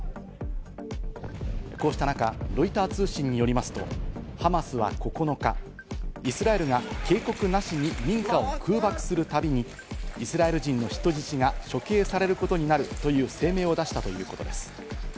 こうした中、ロイター通信によりますと、ハマスは９日、イスラエルが警告なしに民家を空爆するたびにイスラエル人の人質が処刑されることになるという声明を出したということです。